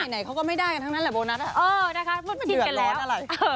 ที่ไหนเขาก็ไม่ได้กันทั้งนั้นแหละโบนัสอะมันเดือดร้อนอะไร